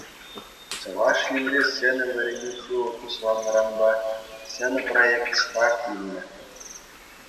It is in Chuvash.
Чӑваш Енре ҫӗнӗ вӗренӳ ҫулӗ пуҫланнӑранпа ҫӗнӗ проект старт илнӗ.